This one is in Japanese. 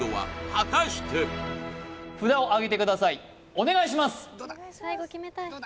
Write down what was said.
お願いします